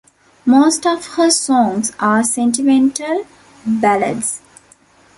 Most of her songs are sentimental ballads.